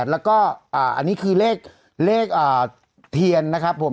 ๑๕๑๘และก็อันนี้คือเลขทีนนะครับผม